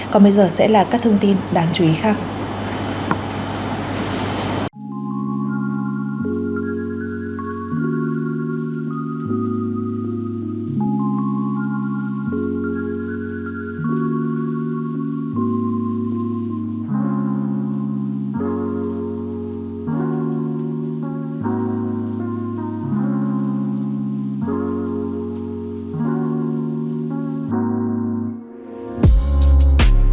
còn bây giờ sẽ là các thông tin đáng chú ý khác